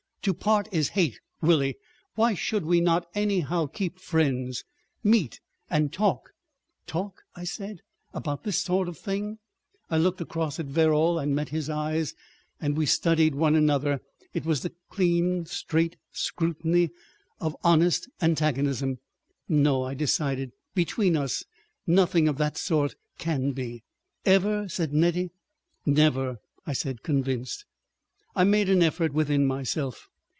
To part is hate, Willie. Why should we not anyhow keep friends? Meet and talk?" "Talk?" I said. "About this sort of thing?" I looked across at Verrall and met his eyes, and we studied one another. It was the clean, straight scrutiny of honest antagonism. "No," I decided. "Between us, nothing of that sort can be." "Ever?" said Nettie. "Never," I said, convinced. I made an effort within myself.